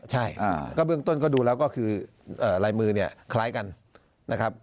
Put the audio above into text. ใช่ก็เบื้องต้นก็ดูแล้วก็คือลายมือเนี่ยคล้ายกันนะครับ